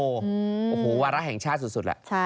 โอ้โหวาระแห่งชาติสุดแหละ